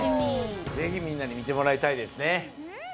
ぜひみんなにみてもらいたいですね。